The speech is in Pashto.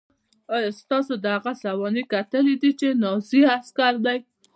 ایا تاسې د هغه سوانح کتلې دي چې نازي عسکر دی